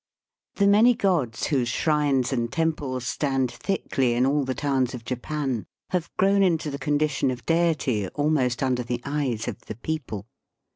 The many gods whose shrines and temples stand thickly in all the towns of Japan, have grown into the condition of deity almost under the eyes of the people.